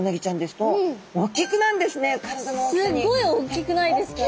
すっごいおっきくないですか！？